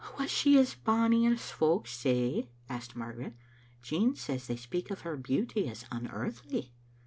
"Was she as bonny as folks say?" asked Mar garet. "Jean says they speak of her beauty as im earthly."